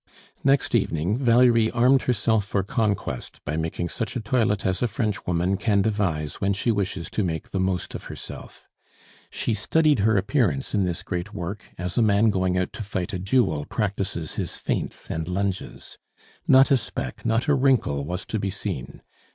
Next evening Valerie armed herself for conquest by making such a toilet as a Frenchwoman can devise when she wishes to make the most of herself. She studied her appearance in this great work as a man going out to fight a duel practises his feints and lunges. Not a speck, not a wrinkle was to be seen.